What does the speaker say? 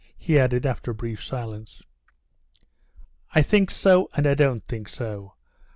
he added after a brief silence. "I think so, and I don't think so.